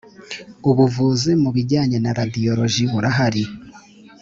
ubuvuzi mu bijyanye na radiyoloji burahari